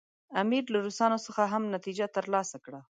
امیر له روسانو څخه هم نتیجه ترلاسه کړه.